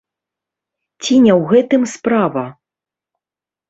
Ці не ў гэтым справа?